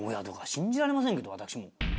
信じられませんけど私も。